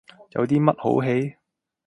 有啲乜好戯？